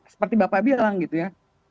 seperti bapak bilang gitu ya